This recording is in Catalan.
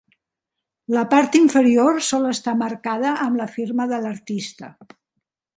La part inferior sol estar marcada amb la firma de l'artista.